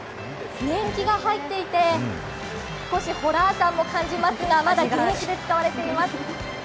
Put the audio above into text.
年季が入っていて、少しホラー感覚も感じますが、まだ現役で使われています。